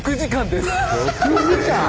６時間？